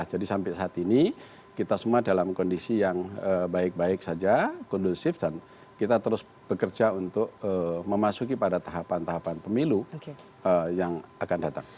jadi sampai saat ini kita semua dalam kondisi yang baik baik saja kondusif dan kita terus bekerja untuk memasuki pada tahapan tahapan pemilu yang akan datang